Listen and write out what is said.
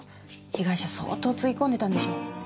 被害者相当つぎ込んでたんでしょ？